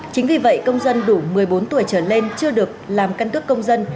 chính vì vậy công dân đủ một mươi bốn tuổi trở lên chưa được làm căn cước công dân